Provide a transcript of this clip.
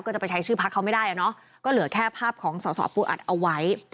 ก็จะไปใช้ชื่อพักเขาไม่ได้อ่ะเนาะก็เหลือแค่ภาพของสอสอปูอัดเอาไว้